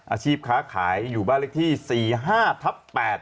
อาชีพค้าขายอยู่บ้านเลขที่๔๕ทับ๘